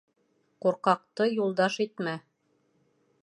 Ҡурҡаҡты юлдаш итмә.